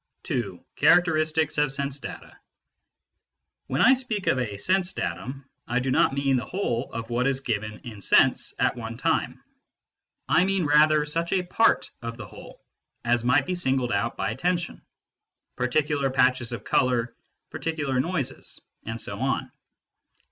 II. CHARACTERISTICS OF SENSE DATA When I speak of a " sense datum," I do not mean the whole of what is given in sense at one time. I mean rather such a part of the whole as might be singled out by attention : particular patches of colour, particular noises, and so on.